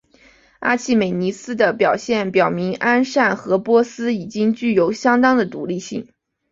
阿契美尼斯的表现表明安善和波斯已经具有相当的独立性。